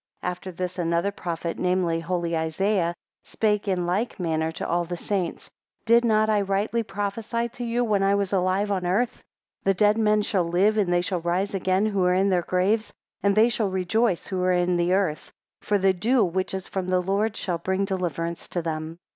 9 After this, another prophet, namely, holy Isaiah, spake in like manner to all the saints, Did not I rightly prophesy to you when I was alive on earth? 10 The dead men shall live, and they shall rise again who are in their graves, and they shall rejoice who are in the earth; for the dew which is from the Lord, shall bring deliverance to them.